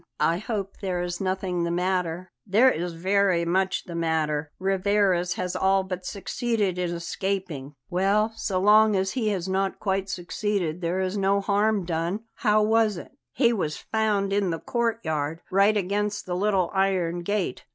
"I hope there is nothing the matter?" "There is very much the matter. Rivarez has all but succeeded in escaping." "Well, so long as he has not quite succeeded there is no harm done. How was it?" "He was found in the courtyard, right against the little iron gate.